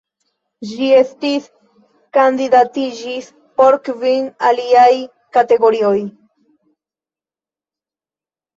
Ĝi estis kandidatiĝis por kvin aliaj kategorioj.